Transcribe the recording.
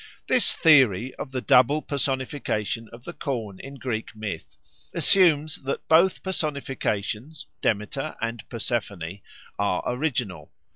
This theory of the double personification of the corn in Greek myth assumes that both personifications (Demeter and Persephone) are original.